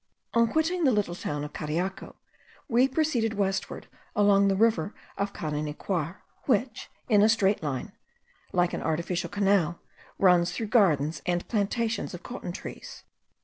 On quitting the little town of Cariaco, we proceeded westward along the river of Carenicuar, which, in a straight line like an artificial canal, runs through gardens and plantations of cotton trees.